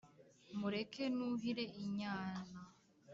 mureke nuhire inyana